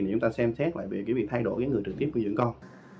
để chúng ta xem xét về cái việc thay đổi người trực tiếp nuôi dưỡng con